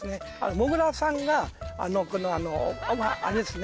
もぐらさんがあのあれですね